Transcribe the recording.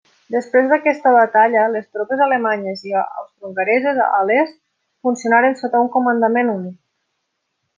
Després d'aquesta batalla, les tropes alemanyes i austrohongareses a l'est funcionaren sota un comandament únic.